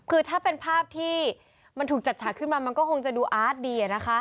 คือถ้าเป็นภาพที่มันถูกจัดฉากขึ้นมามันก็คงจะดูอาร์ตดี